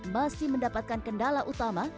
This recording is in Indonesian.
masih mendapatkan kendala utama